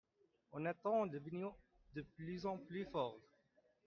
On entend le biniou de plus en plus fort.